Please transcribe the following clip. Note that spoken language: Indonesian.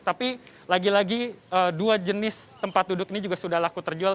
tapi lagi lagi dua jenis tempat duduk ini juga sudah laku terjual